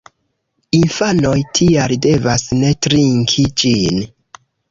Infanoj tial devas ne trinki ĝin.